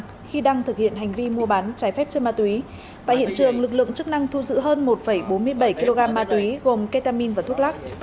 khi đang thực hiện hành vi mua bán trái phép chất ma túy tại hiện trường lực lượng chức năng thu giữ hơn một bốn mươi bảy kg ma túy gồm ketamin và thuốc lắc